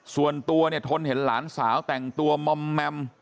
ส่วนตัวเนี่ยทนเห็นหลานสาวแต่งตัวมอมแมม